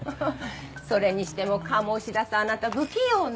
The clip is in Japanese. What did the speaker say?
それにしても鴨志田さんあなた不器用ね。